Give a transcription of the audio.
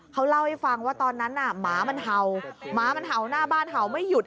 เขาเล่าให้ฟังว่าตอนนั้นน่ะหมามันเห่าหมามันเห่าหน้าบ้านเห่าไม่หยุด